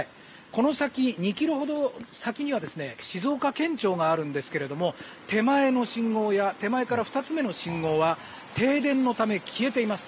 この先、２ｋｍほど先には静岡県庁があるんですが手前の信号や手前から２つ目の信号は停電のため、消えています。